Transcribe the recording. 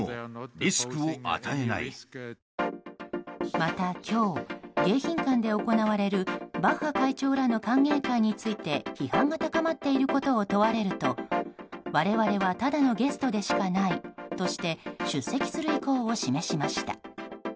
また今日、迎賓館で行われるバッハ会長らの歓迎会について批判が高まっていることを問われると我々はただのゲストでしかないとして出席する意向を示しました。